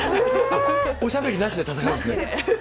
おしゃべりなしで戦うんですなしで。